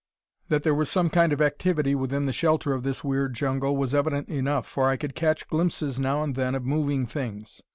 That there was some kind of activity within the shelter of this weird jungle, was evident enough, for I could catch glimpses, now and then of moving things.